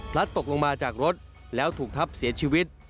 ตกลงมาจากรถแล้วถูกทับเสียชีวิต